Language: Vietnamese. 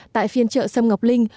tại phiên trợ xâm ngọc linh